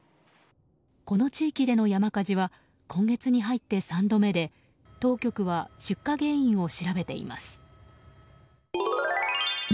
この地域での山火事は今月に入って３度目で当局は出火原因を調べています。